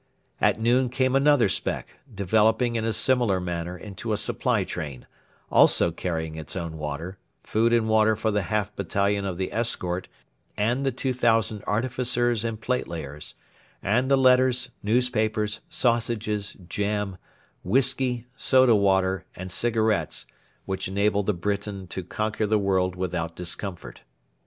At noon came another speck, developing in a similar manner into a supply train, also carrying its own water, food and water for the half battalion of the escort and the 2,000 artificers and platelayers, and the letters, newspapers, sausages, jam, whisky, soda water, and cigarettes which enable the Briton to conquer the world without discomfort.